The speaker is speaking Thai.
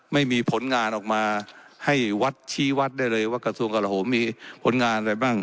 ไม่มีผลงานออกมาให้วัดชี้วัดได้เลยว่ากระทรวงกระโหมมีผลงานอะไรบ้าง